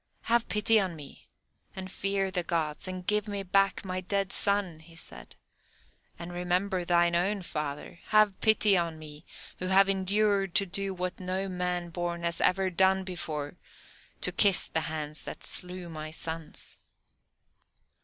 "Have pity on me, and fear the Gods, and give me back my dead son," he said, "and remember thine own father. Have pity on me, who have endured to do what no man born has ever done before, to kiss the hands that slew my sons."